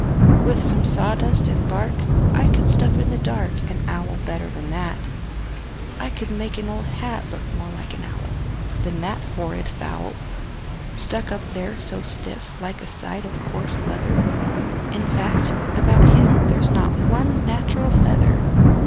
"With some sawdust and bark I could stuff in the dark An owl better than that. I could make an old hat Look more like an owl Than that horrid fowl, Stuck up there so stiff like a side of coarse leather. In fact, about him there's not one natural feather."